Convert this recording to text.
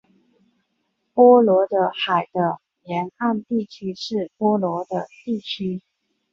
波罗的海的沿岸地区是波罗的地区。